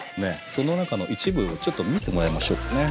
その中の一部をちょっと見てもらいましょうかね。